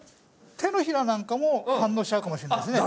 手のひらなんかも反応しちゃうかもしれないですね。